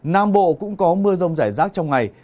nam bộ cũng có mưa rông rải rác trong ngày